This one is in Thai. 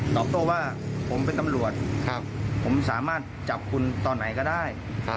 โต้ว่าผมเป็นตำรวจผมสามารถจับคุณตอนไหนก็ได้